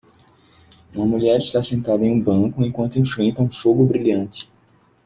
Uma mulher está sentada em um banco enquanto enfrenta um fogo brilhante.